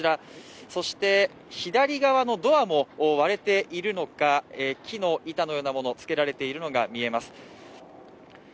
そして左側のドアも割れているのか、木の板のようなものをつけられているのが見えます。